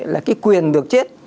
là quyền được chết